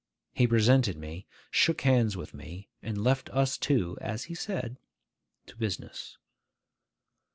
He presented me, shook hands with me, and left us two (as he said) to business.